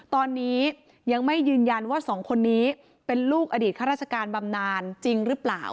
ตอนนี้ยังไม่ยืนยันว่าสองคนนี้เป็นลูกอดีตข้าราชการบำนานจริงหรือเปล่า